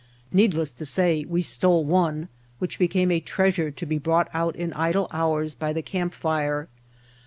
Needless to say we stole one, which became a treasure to be brought out in idle hours by the camp fire.